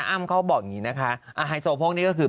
อ้ำเขาบอกอย่างนี้นะคะไฮโซโพกนี่ก็คือ